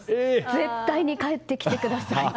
絶対に帰ってきてください！